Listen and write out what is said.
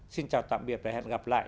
xin chào tạm biệt và hẹn gặp lại